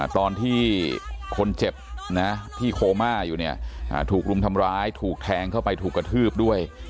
ตอนที่คนเจ็บที่โคม่าอยู่เนี่ยถูกรุมทำร้ายถูกแทงเข้าไปถูกกระทืบด้วย